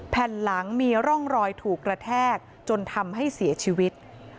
แผ่นหลังมีร่องรอยถูกกระแทกจนทำให้เสียชีวิต